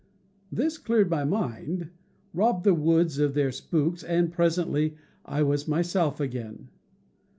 This cleared my mind, robbed the woods of their spooks, and presently I was myself again.